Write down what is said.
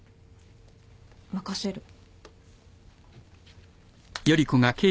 任せる。